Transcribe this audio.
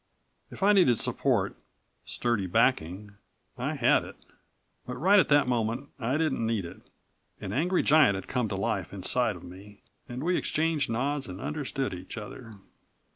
If I needed support, sturdy backing, I had it. But right at that moment I didn't need it. An angry giant had come to life inside of me and we exchanged nods and understood each other.